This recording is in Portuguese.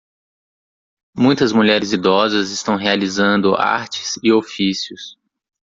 muitas mulheres idosas estão realizando artes e ofícios